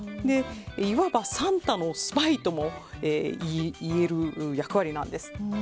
いわばサンタのスパイともいえる役割なんです。